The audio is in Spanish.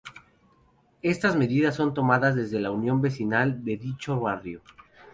Estas medidas son tomadas desde la Unión Vecinal de dicho barrio.